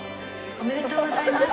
ありがとうございます。